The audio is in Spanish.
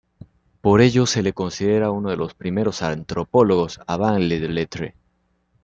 Por ello se le considera uno de los primeros antropólogos "avant-la-lettre".